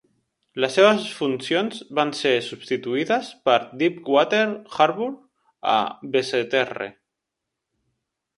Les seves funcions van ser substituïdes per Deep Water Harbour a Basseterre.